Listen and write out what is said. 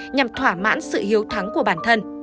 nhằm thỏa mãn sự hiếu thắng của bản thân